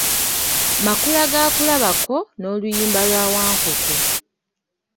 Makula ga kulabako n’Oluyimba lwa Wankoko.